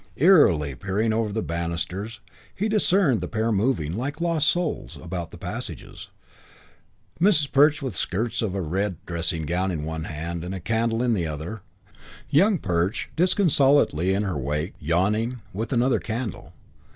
Eerily peering over the banisters, he discerned the pair moving, like lost souls, about the passages, Mrs. Perch with the skirts of a red dressing gown in one hand and a candle in the other, Young Perch disconsolately in her wake, yawning, with another candle.